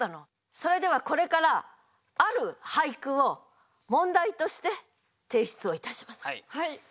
それではこれからある俳句を問題として提出をいたします。